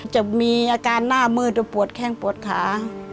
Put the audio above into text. จะมีอาการหน้ามืดจะปวดแข้งปวดขา